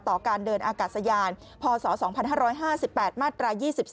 การเดินอากาศยานพศ๒๕๕๘มาตรา๒๒